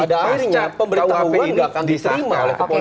pada akhirnya pemberitahuan tidak akan diterima oleh kepolisian